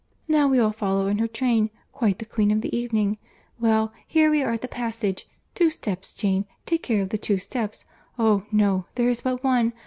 —Now we all follow in her train. Quite the queen of the evening!—Well, here we are at the passage. Two steps, Jane, take care of the two steps. Oh! no, there is but one.